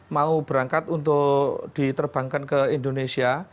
mau berangkat untuk diterbangkan ke indonesia